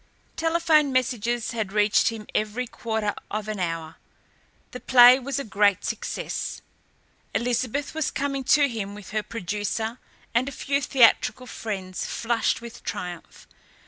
Telephone messages had reached him every quarter of an hour. The play was a great success. Elizabeth was coming to him with her producer and a few theatrical friends, flushed with triumph.